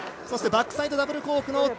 そしてバックサイドダブルコークの１２６０。